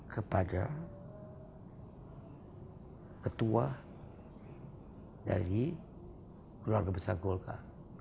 kepada ketua dari keluarga besar golkar